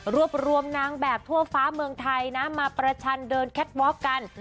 รวบรวมนางแบบทั่วฟ้าเมืองไทยนะมาประชันเดินแคทวอล์กัน